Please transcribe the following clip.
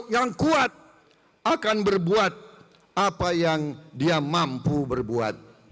yang kuat akan berbuat apa yang dia mampu berbuat